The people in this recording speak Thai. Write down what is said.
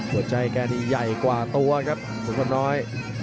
หัวใจแกนี่ใหญ่กว่าตัวครับสุนพลน้อย